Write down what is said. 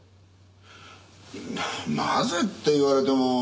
なぜって言われても。